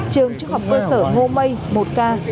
trường trung học cơ sở ngô mây một ca